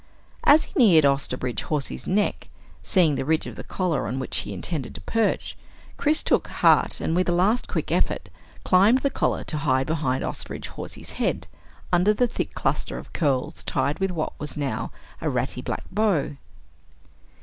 As he neared Osterbridge Hawsey's neck, seeing the ridge of collar on which he intended to perch, Chris took heart and with a last quick effort, climbed the collar to hide behind Osterbridge Hawsey's head, under the thick cluster of curls tied with what was now a ratty black bow.